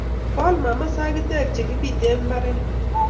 Koal mama sagitek chegibite mbaret